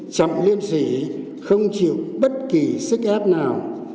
chậm liêm sỉ không chịu bất kỳ sức ép nào